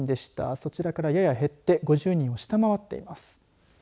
そちらから、やや減って５０人を下回っています。